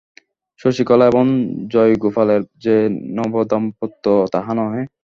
শশিকলা এবং জয়গোপালের যে নবদাম্পত্য তাহা নহে।